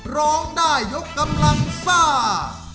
ร้องได้ยกกำลังซ่า